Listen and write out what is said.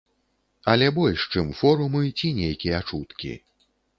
Але больш чым форумы ці нейкія чуткі.